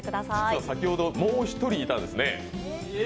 実は先ほど、もう一人いたんですね。